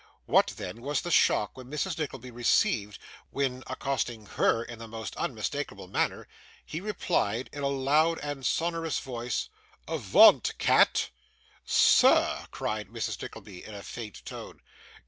What, then, was the shock which Mrs. Nickleby received, when, accosting HER in the most unmistakable manner, he replied in a loud and sonourous voice: 'Avaunt! Cat!' 'Sir!' cried Mrs. Nickleby, in a faint tone.